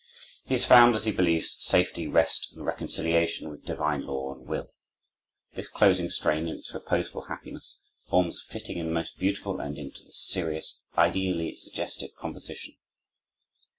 He has found, as he believes, safety, rest, and reconciliation with divine law and will. This closing strain, in its reposeful happiness, forms a fitting and most beautiful ending to this serious, ideally suggestive composition.